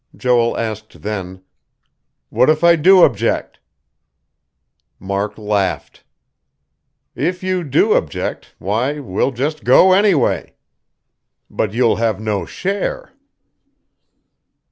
Joel asked then: "What if I do object?" Mark laughed. "If you do object, why we'll just go anyway. But you'll have no share."